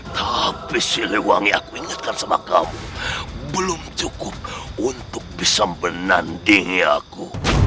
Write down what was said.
tapi siliwangi aku ingatkan sama kamu belum cukup untuk bisa menandingi aku